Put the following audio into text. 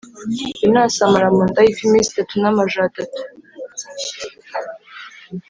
yonasi amara mu nda y’ifi iminsi itatu n’amajoro atatu.